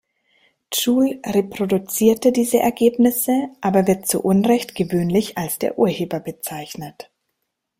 Joule reproduzierte diese Ergebnisse, aber wird zu Unrecht gewöhnlich als der Urheber bezeichnet.